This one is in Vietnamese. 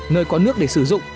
nơi có nước để sử dụng